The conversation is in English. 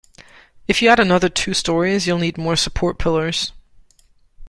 If you add another two storeys, you'll need more support pillars.